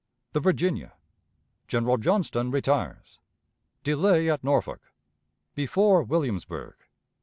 The Virginia. General Johnston retires. Delay at Norfolk. Before Williamsburg.